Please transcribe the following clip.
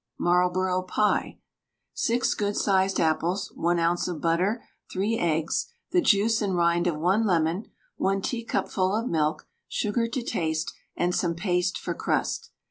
MARLBOROUGH PIE. 6 good sized apples, 1 oz. of butter, 3 eggs, the juice and rind of 1 lemon, 1 teacupful of milk, sugar to taste, and some paste for crust.